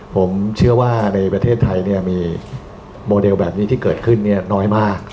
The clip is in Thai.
ผมเชื่อว่าในประเทศไทยมีโมเดลแบบนี้ที่เกิดขึ้นน้อยมาก